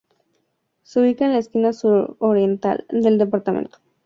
Se ubica en la esquina suroriental del departamento.